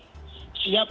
siap dan bergantung